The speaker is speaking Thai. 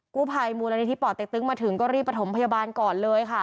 กูพาอีมูรณีที่ป่อตเต็กตึ้งมาถึงก็รีบไปถมพยาบาลก่อนเลยค่ะ